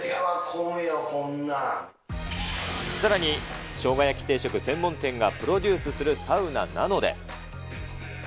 混むよ、さらにしょうが焼き定食専門店がプロデュースするサウナなので。